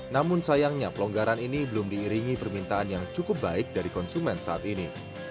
namun sayangnya pelonggaran ini belum diiringi permintaan yang cukup baik dari konsumen saat ini